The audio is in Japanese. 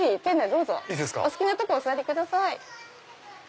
どうぞお好きなとこお座りください。